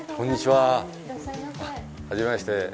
はじめまして。